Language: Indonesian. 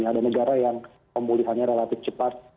ada negara yang pemulihannya relatif cepat